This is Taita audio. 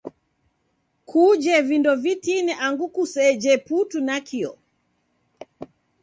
Kuje vindo vitini angu kuseje putu nakio.